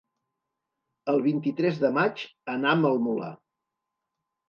El vint-i-tres de maig anam al Molar.